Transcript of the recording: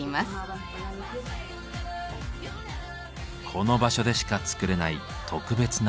この場所でしか作れない特別なラグ。